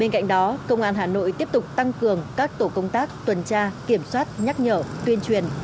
công an hà nội tiếp tục tăng cường các tổ công tác tuần tra kiểm soát nhắc nhở tuyên truyền